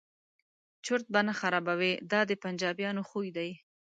چرت به نه خرابوي دا د پنجابیانو خوی دی.